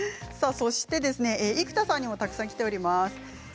そして生田さんにもたくさんきております。